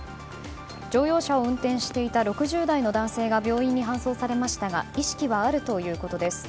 乗用車を運転していた６０代の男性が病院に搬送されましたが意識はあるということです。